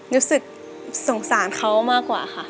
รู้สึกสงสารเขามากกว่าค่ะ